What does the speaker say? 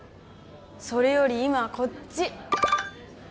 それより今はこっち！